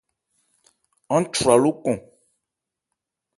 Án chwra lókɔn.